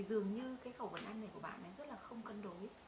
dường như khẩu phần ăn này của bạn rất là không cân đối